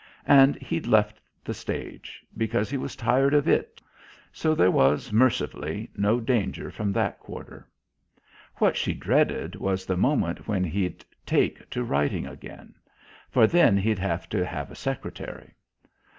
And he'd left the stage, because he was tired of it, so there was, mercifully, no danger from that quarter. What she dreaded was the moment when he'd "take" to writing again, for then he'd have to have a secretary.